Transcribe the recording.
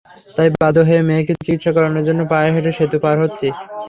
তাই বাধ্য হয়ে মেয়েকে চিকিৎসা করানোর জন্য পায়ে হেঁটে সেতু পার হচ্ছি।